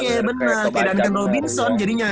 iya bener kayak duncan robinson jadinya